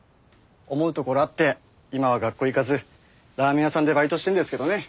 思うところあって今は学校行かずラーメン屋さんでバイトしてるんですけどね。